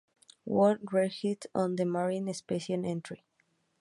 World Register of Marine Species entry